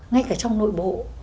ngay cả trong nội bộ